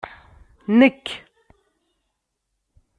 Nek!